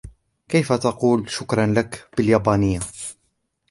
كيف تقول " شكراً لك " باليابانية؟